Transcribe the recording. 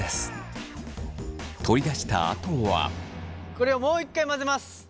これをもう一回混ぜます。